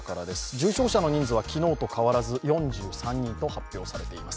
重症者の人数は昨日と変わらず４３人と発表されています。